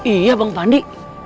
iya bang pandi